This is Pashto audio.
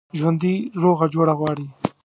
ژوندي روغه جوړه غواړي